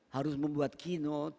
harus membuat kino